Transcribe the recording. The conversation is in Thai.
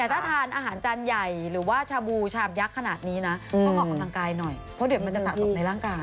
แต่ถ้าทานอาหารจานใหญ่หรือว่าชาบูชามยักษ์ขนาดนี้นะต้องออกกำลังกายหน่อยเพราะเดี๋ยวมันจะสะสมในร่างกาย